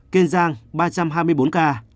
kiên giang ba trăm hai mươi bốn ca